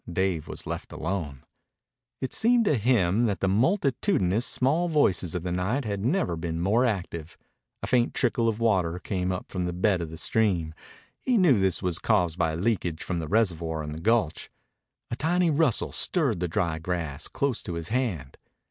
Dave was left alone. It seemed to him that the multitudinous small voices of the night had never been more active. A faint trickle of water came up from the bed of the stream. He knew this was caused by leakage from the reservoir in the gulch. A tiny rustle stirred the dry grass close to his hand.